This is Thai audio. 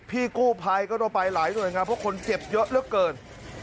พี่กู้ภัยก็ต้องไปหลายหน่วยงานเพราะคนเจ็บเยอะเหลือเกิน